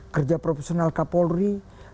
kerja profesional kapolri